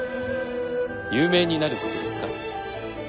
有名になることですか？